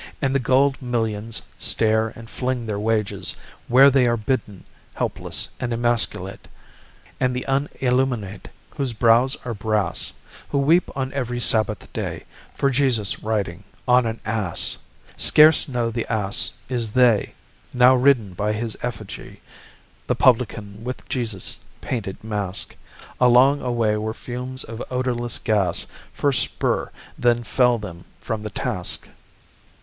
And the gulled millions stare and fling their wages Where they are bidden, helpless and emasculate. And the unilluminate, Whose brows are brass, Who weep on every Sabbath day For Jesus riding on an ass, Scarce know the ass is they, Now ridden by his effigy, The publican with Jesus' painted mask, Along a way where fumes of odorless gas First spur then fell them from the task.